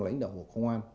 lãnh đạo bộ công an